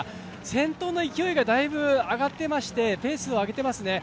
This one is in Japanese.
先頭の勢いがだいぶ上がっていまして、ペースを上げていますね。